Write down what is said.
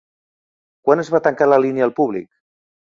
Quan es va tancar la línia al públic?